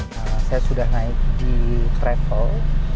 saya sudah naik di travel